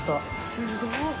すごい。